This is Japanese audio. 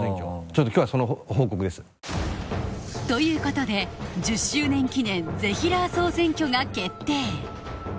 ちょっときょうはその報告です。ということで１０周年記念ぜひらー総選挙が決定